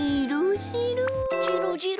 じろじろ。